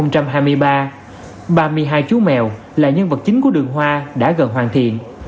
tết quý mão hai nghìn hai mươi ba ba mươi hai chú mèo là nhân vật chính của đường hoa đã gần hoàn thiện